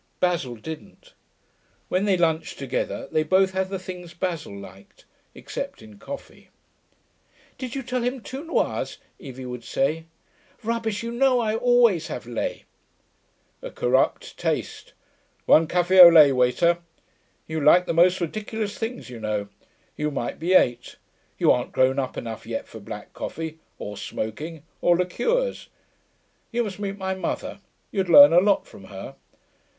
Basil didn't. When they lunched together they both had the things Basil liked, except in coffee. 'Did you tell him two noirs?' Evie would say. 'Rubbish, you know I always have lait.' 'A corrupt taste. One café au lait, waiter. You like the most ridiculous things, you know; you might be eight. You aren't grown up enough yet for black coffee, or smoking, or liqueurs. You must meet my mother; you'd learn a lot from her.'